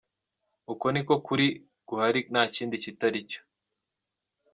Uko ni ko kuri guhari, nta kindi kitari icyo.”